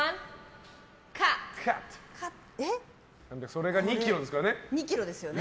それが２ｋｇです。